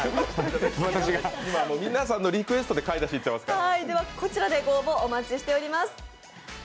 皆さんのリクエストで買い出しに行ってますから。